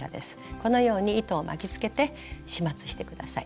このように糸を巻きつけて始末して下さい。